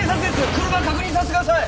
車を確認させてください。